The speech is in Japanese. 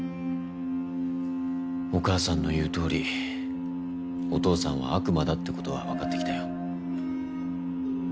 お母さんの言うとおりお父さんは悪魔だって事はわかってきたよ。